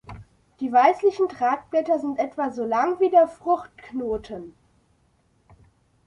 Die weißlichen Tragblätter sind etwa so lang wie der Fruchtknoten.